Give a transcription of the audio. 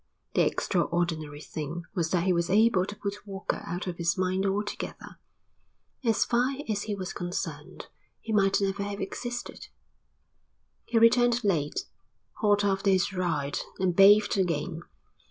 The extraordinary thing was that he was able to put Walker out of his mind altogether. So far as he was concerned he might never have existed. He returned late, hot after his ride, and bathed again.